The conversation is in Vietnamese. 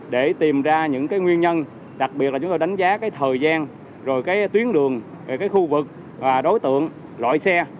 để tìm ra những nguyên nhân đặc biệt là chúng tôi đánh giá thời gian tuyến đường khu vực đối tượng loại xe